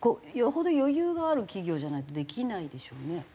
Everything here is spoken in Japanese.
よほど余裕がある企業じゃないとできないでしょうね。